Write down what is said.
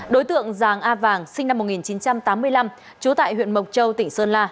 đối tượng giàng a vàng sinh năm một nghìn chín trăm tám mươi năm trú tại huyện mộc châu tỉnh sơn la